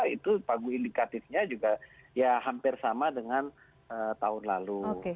itu pagu indikatifnya juga ya hampir sama dengan tahun lalu